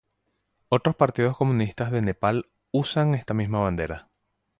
Otros partidos comunistas de Nepal usan esta misma bandera.